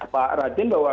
pak rajin bahwa